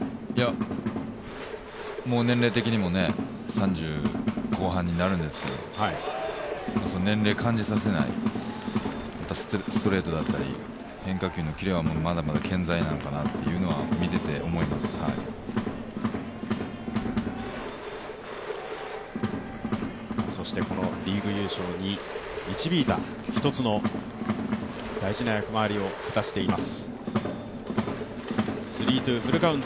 年齢的にも３０後半になるんですけど、年齢を感じさせない、ストレートだったり変化球のキレはまだまだ健在なのかなとそしてリーグ優勝に導いた、１つの大事な役回りを果たしています。